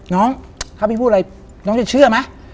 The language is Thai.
น้องถ้าพี่พูดอะไรน้องจะเชื่อไหม